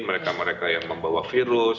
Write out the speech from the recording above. mereka mereka yang membawa virus